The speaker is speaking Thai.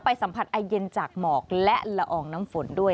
สัมผัสไอเย็นจากหมอกและละอองน้ำฝนด้วย